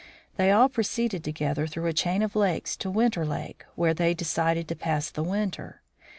They all proceeded together through a chain of lakes to Winter lake, where they de cided to pass the winter.